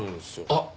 あっ！